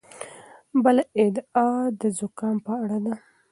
بله ادعا د زکام په اړه ده.